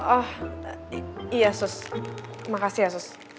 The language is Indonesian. oh iya sus makasih ya sus